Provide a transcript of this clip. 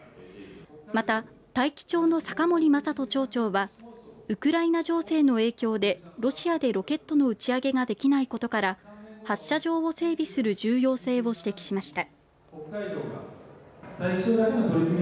また大樹町の酒森正人町長はウクライナ情勢の影響でロシアのロケットの打ち上げができないことから発射場を整備する重要性を指摘しました。